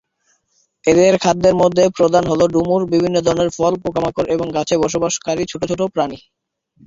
এদের খাদ্যের মধ্যে প্রধান হল ডুমুর, বিভিন্ন ধরনের ফল, পোকামাকড় এবং গাছে বসবাসকারী ছোটো ছোটো প্রাণী।